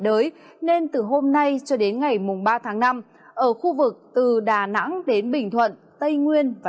đới nên từ hôm nay cho đến ngày ba tháng năm ở khu vực từ đà nẵng đến bình thuận tây nguyên và